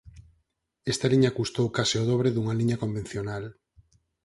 Esta liña custou case o dobre dunha liña convencional.